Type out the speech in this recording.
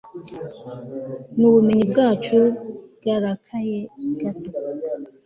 Nubumenyi bwacu bwarakaye gato